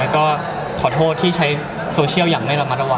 ก็ขอโทษที่ใช้โซเชียลอย่างไม่ระมัดระวัง